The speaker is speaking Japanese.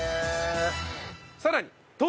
さらに。